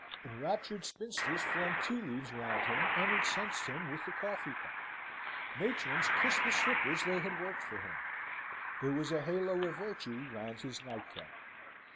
Enraptured spinsters flung tea leaves round him, and incensed him with the coffee pot. Matrons kissed the slippers they had worked for him. There was a halo of virtue round his nightcap.